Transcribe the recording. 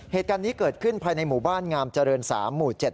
เหตุการณ์นี้เกิดขึ้นภายในหมู่บ้านงามเจริญ๓หมู่๗